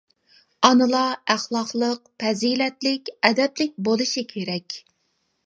ئانىلار ئەخلاقلىق، پەزىلەتلىك، ئەدەپلىك بولۇشى كېرەك.